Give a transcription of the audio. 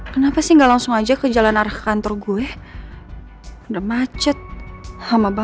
papa ini langsung belok kiri aja deh pak